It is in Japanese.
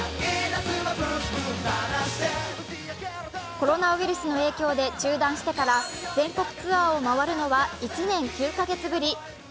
コロナウイルスの影響で中断してから全国ツアーを回るのは１年９カ月ぶり。